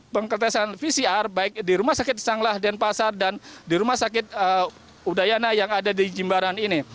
pengetesan pcr baik di rumah sakit sanglah denpasar dan di rumah sakit udayana yang ada di jimbaran ini